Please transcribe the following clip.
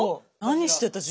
何してた？